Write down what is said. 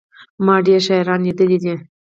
ما ډېري شاعران لېدلي دي.